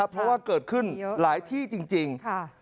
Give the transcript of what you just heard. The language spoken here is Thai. เพราะว่าเกิดขึ้นหลายที่จริง